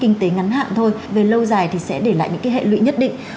kinh tế ngắn hạn thôi về lâu dài thì sẽ để lại những hệ lụy nhất định